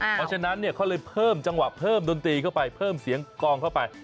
เพราะฉะนั้นเขาเลยเพิ่มจังหวะเพิ่มดนตรีเข้าไปเพิ่มเสียงกองเข้าไป